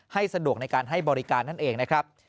สะดวกในการให้บริการนั่นเองนะครับ